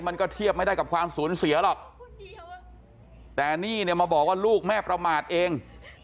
มันก็เทียบไม่ได้กับความสูญเสียหรอกแต่นี่เนี่ยมาบอกว่าลูกแม่ประมาทเอง